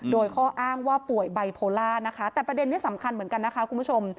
โดยข้ออ้างว่าป่วยไบโพล่านะคะแต่ประเด็นนี้สำคัญเหมือนกันนะคะคุณผู้ชม